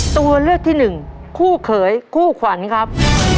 ตัวเลือกที่หนึ่งคู่เขยคู่ขวัญครับ